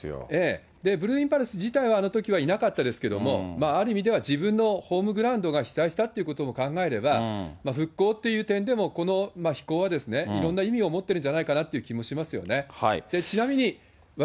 ブルーインパルス自体はあのときはいなかったですけども、ある意味では自分のホームグラウンドが被災したということを考えれば、復興という点でも、この飛行は、いろんな意味を持っているんじゃないかなという気もしますよね。